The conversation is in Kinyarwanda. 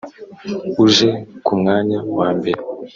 uje ku mwanya wa mbere